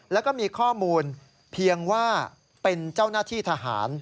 แล้วก็มีข้อมูลเพียงว่าเป็นเจ้าหน้าที่ทหาร